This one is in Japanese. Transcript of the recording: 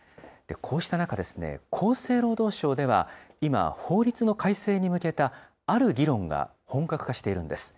こうした中、厚生労働省では、今、法律の改正に向けたある議論が本格化しているんです。